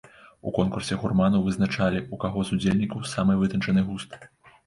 У конкурсе гурманаў вызначалі, у каго з удзельнікаў самы вытанчаны густ.